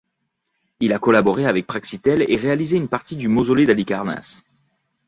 Il a collaboré avec Praxitèle et réalisé une partie du Mausolée d'Halicarnasse.